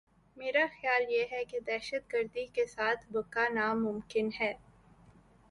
میرا خیال یہ ہے کہ دہشت گردی کے ساتھ بقا ناممکن ہے۔